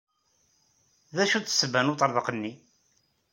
D acu-tt tsebba n uṭṭerḍeq-nni?